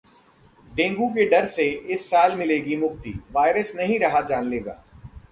Dengue के डर से इस साल मिलेगी मुक्ति, वायरस नहीं रहा जानलेवा!